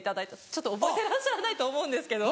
ちょっと覚えてらっしゃらないと思うんですけど。